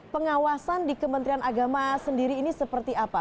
pengawasan di kementerian agama sendiri ini seperti apa